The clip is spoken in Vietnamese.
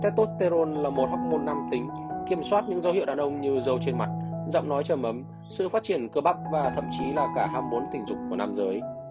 tetosterone là một học môn nằm tính kiểm soát những dấu hiệu đàn ông như dâu trên mặt giọng nói trầm ấm sự phát triển cơ bắp và thậm chí là cả ham muốn tình dục của nam giới